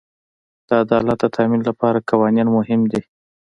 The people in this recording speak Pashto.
د عدالت د تامین لپاره قوانین مهم دي.